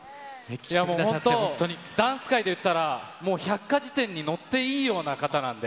もう本当、ダンス界でいったら、もう百科事典に載っていいような方なんで。